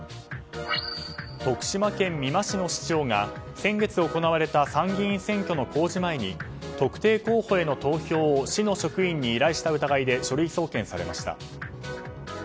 徳島県美馬市の市長が先月行われた参議院選挙の公示前に特定候補への投票を市の職員に依頼した疑いで書類送検されました。